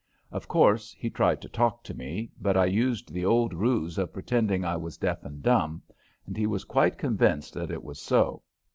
Of course, he tried to talk to me, but I used the old ruse of pretending I was deaf and dumb and he was quite convinced that it was so.